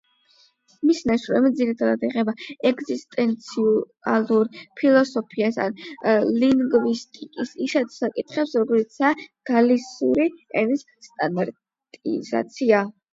მისი ნაშრომები ძირითადად ეხება ეგზისტენციალურ ფილოსოფიას ან ლინგვისტიკის ისეთ საკითხებს როგორიცაა გალისიური ენის სტანდარტიზაცია.